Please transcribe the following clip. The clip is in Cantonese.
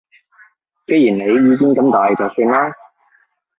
既然你意見咁大就算啦